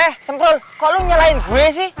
eh semproh kok lo nyalahin gue sih